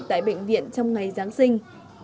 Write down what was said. tại bệnh viện trong ngày giáng sinh